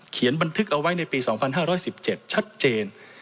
บันทึกเอาไว้ในปี๒๕๑๗ชัดเจน